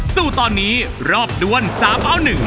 สู้ตอนนี้รอบด้วน๓เอา๑